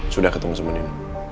sudah ketemu semen ini